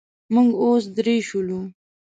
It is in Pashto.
موږ اوس درې شولو.